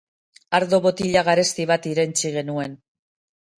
Ardo botila garesti bat irentsi genuen.